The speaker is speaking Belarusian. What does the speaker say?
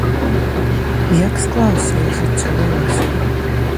Як склаўся іх жыццёвы лёс?